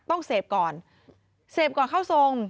ต้องเสพก่อนเสพก่อนเข้าทรง